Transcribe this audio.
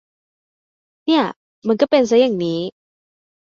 เนี่ย มันก็เป็นซะอย่างนี้